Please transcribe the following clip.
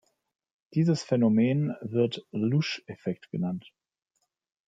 Dieses Phänomen wird Louche-Effekt genannt.